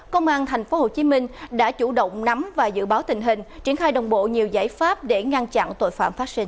công an tp hcm đã chủ động nắm và dự báo tình hình triển khai đồng bộ nhiều giải pháp để ngăn chặn tội phạm phát sinh